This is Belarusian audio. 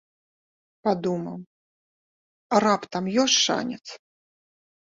Падумаў, а раптам ёсць шанец.